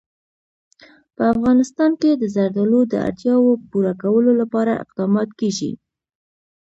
په افغانستان کې د زردالو د اړتیاوو پوره کولو لپاره اقدامات کېږي.